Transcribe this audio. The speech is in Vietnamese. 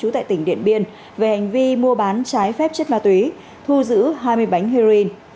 chú tại tỉnh điện biên về hành vi mua bán trái phép chất ma túy thu giữ hai mươi bánh heroin